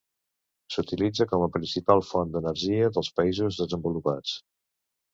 S’utilitza com a principal font d’energia dels països desenvolupats.